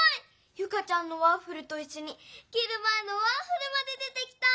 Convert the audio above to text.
ユカちゃんのワッフルといっしょにきるまえのワッフルまで出てきた！